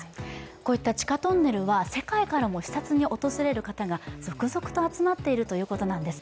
こういった地下トンネルは世界から視察に訪れる方が続々と集まっているということです。